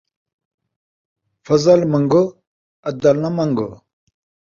فضل من٘گو ، عدل ناں من٘گو